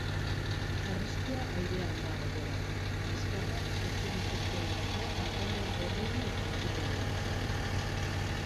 Arriskua airean dago beraz, liskarrak sortu litezkeelako alkandora gorridun eta horidunen artean.